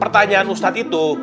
pertanyaan ustadz itu